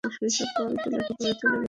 শৈশবকাল তো পড়ালেখায় চলে গে।